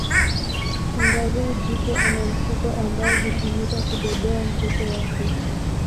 kangaroo jike ana mfuko ambao hutumika kubebea mtoto wake